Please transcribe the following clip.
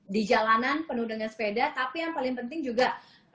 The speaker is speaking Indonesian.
di jalanan penuh dengan sepeda tapi yang paling penting juga